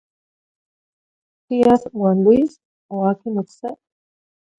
Tiyas iuah n Luis o aquih n oc se?